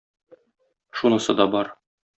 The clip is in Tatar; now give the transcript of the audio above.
Шунысы да бар.